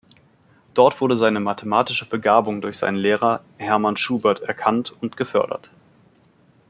Dort wurde seine mathematische Begabung durch seinen Lehrer Hermann Schubert erkannt und gefördert.